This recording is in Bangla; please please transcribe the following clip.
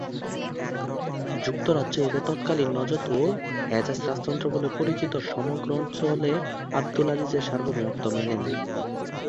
যুক্তরাজ্য এতে তৎকালীন নজদ ও হেজাজ রাজতন্ত্র বলে পরিচিত সমগ্র অঞ্চলে আবদুল আজিজের সার্বভৌমত্ব মেনে নেয়।